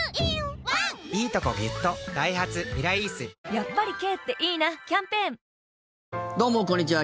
やっぱり軽っていいなキャンペーンどうもこんにちは。